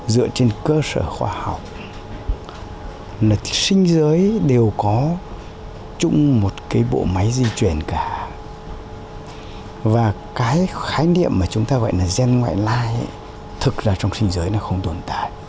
dựa trên cơ sở khoa học sinh giới đều có trụng một bộ máy di chuyển cả và cái khái niệm mà chúng ta gọi là gen ngoại lai thực ra trong sinh giới nó không tồn tại